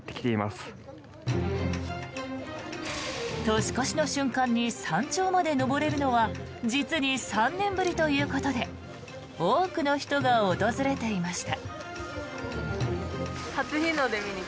年越しの瞬間に山頂まで登れるのは実に３年ぶりということで多くの人が訪れていました。